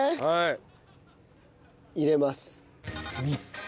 はい。